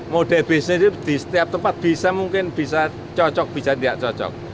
mode bisnis itu di setiap tempat bisa mungkin bisa cocok bisa tidak cocok